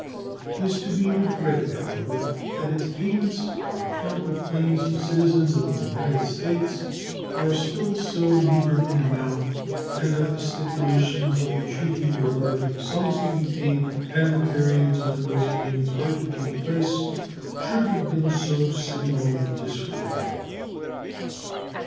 It is to be regretted, however, that its payments on account of claims of citizens of the United States are still so meager in amount, and that the stipulations of the treaty in regard to the sums to be paid and the periods when those payments were to take place should have been so signally disregarded.